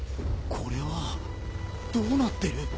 これはどうなってる？